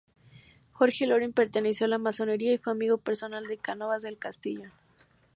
Jorge Loring perteneció a la masonería y fue amigo personal de Cánovas del Castillo.